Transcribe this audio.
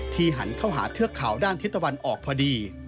หันเข้าหาเทือกเขาด้านทิศตะวันออกพอดี